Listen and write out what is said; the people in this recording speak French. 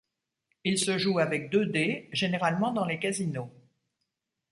Il se joue avec deux dés, généralement dans les casinos.